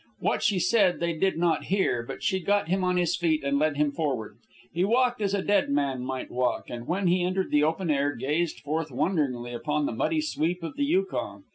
What she said they did not hear, but she got him on his feet and led him forward. He walked as a dead man might walk, and when he entered the open air gazed forth wonderingly upon the muddy sweep of the Yukon.